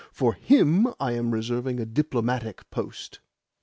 For HIM I am reserving a diplomatic post.